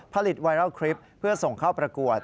ไวรัลคลิปเพื่อส่งเข้าประกวด